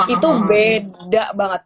itu beda banget